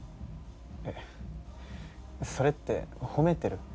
えっそれって褒めてる？